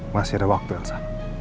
masih ada waktu elsa